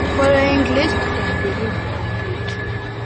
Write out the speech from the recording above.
The following list is believed complete.